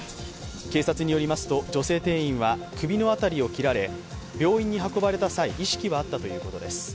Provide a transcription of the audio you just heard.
警察によりますと、女性店員は首の辺りを切られ、病院に運ばれた際、意識はあったということです。